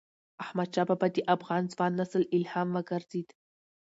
احمدشاه بابا د افغان ځوان نسل الهام وګرځيد.